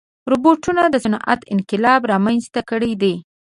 روبوټونه د صنعت انقلاب رامنځته کړی دی.